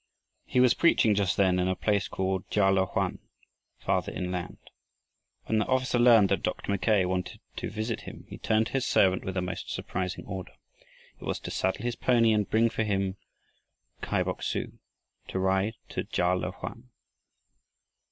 He was preaching just then in a place called Ka le oan, farther inland. When the officer learned that Dr. Mackay wanted to visit him he turned to his servant with a most surprising order. It was to saddle his pony and bring him for Kai Bok su to ride to Ka le oan.